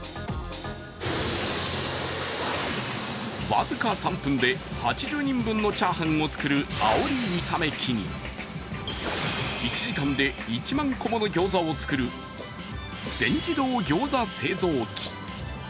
僅か３分で８０人分のチャーハンを作るあおり炒め機に１分間で１万個もの餃子を作る全自動餃子製造機。